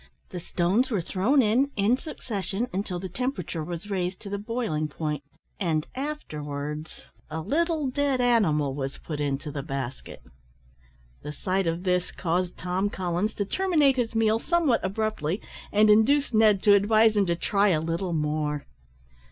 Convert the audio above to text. The stones were thrown in in succession, till the temperature was raised to the boiling point, and afterwards a little dead animal was put into the basket. The sight of this caused Tom Collins to terminate his meal somewhat abruptly, and induced Ned to advise him to try a little more.